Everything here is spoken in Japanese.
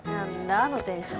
あのテンション。